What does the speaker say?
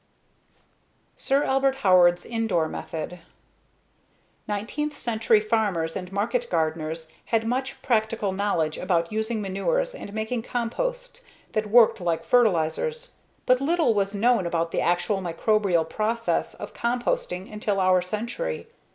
Sir Albert Howard's Indore Method Nineteenth century farmers and market gardeners had much practical knowledge about using manures and making composts that worked like fertilizers, but little was known about the actual microbial process of composting until our century.